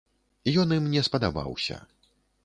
Ён ім не спадабаўся.